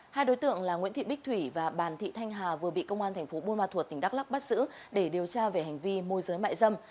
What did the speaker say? hai đối tượng là nguyễn thị bích thủy và bàn thị thanh hà vừa bị công an thành phố buôn ma thuột tỉnh đắk lắc bắt giữ để điều tra về hành vi môi giới mại dâm